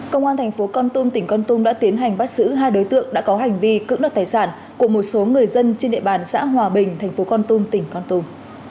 công an tp con tum tỉnh con tum đã tiến hành bắt xử hai đối tượng đã có hành vi cững đọc tài sản của một số người dân trên địa bàn xã hòa bình tp con tum tỉnh con tum